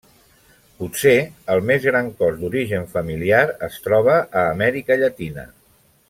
Potser el més gran cos d'origen familiar es troba a Amèrica Llatina.